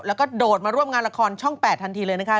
แล้วก็โดดมาร่วมงานละครช่อง๘ทันทีเลยนะคะ